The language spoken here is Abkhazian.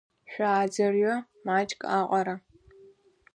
Шәааӡырҩы маҷк аҟара!